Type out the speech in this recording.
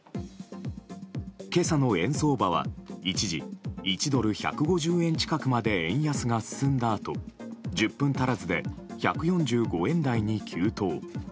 今朝の円相場は一時１ドル＝１５０円近くまで円安が進んだあと１０分足らずで１４５円台に急騰。